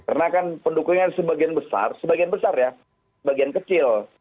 karena pendukungnya ada sebagian besar sebagian besar ya sebagian kecil